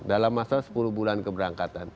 dalam masa sepuluh bulan keberangkatan